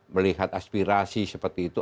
melihat aspirasi seperti itu